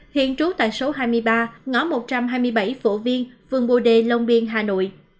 hiện trú tại số hai mươi ba ngõ một trăm hai mươi bảy phổ viên phường bồ đề long biên hà nội